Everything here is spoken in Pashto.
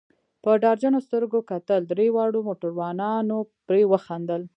په ډار جنو سترګو کتل، دریو واړو موټروانانو پرې وخندل.